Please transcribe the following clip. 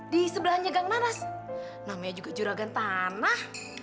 di sebelahnya gang nanas namanya juga juragan tanah